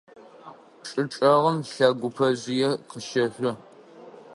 ЧӀы чӀэгъым лэгъупэжъые къыщэжъо.